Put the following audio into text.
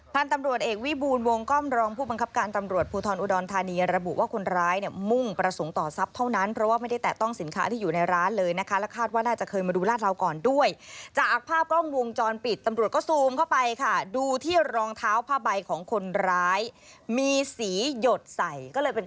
พันธุ์ตำรวจเอกวิบูลวงกล้อมรองผู้บังคับการตำรวจภูทรอุดรธานีระบุว่าคนร้ายเนี่ยมุ่งประสงค์ต่อทรัพย์เท่านั้นเพราะว่าไม่ได้แตะต้องสินค้าที่อยู่ในร้านเลยนะคะและคาดว่าน่าจะเคยมาดูลาดราวก่อนด้วยจากภาพกล้องวงจรปิดตำรวจก็ซูมเข้าไปค่ะดูที่รองเท้าผ้าใบของคนร้ายมีสีหยดใส่ก็เลยเป็น